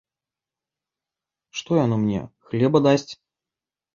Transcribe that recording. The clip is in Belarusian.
Што яно мне, хлеба дасць?!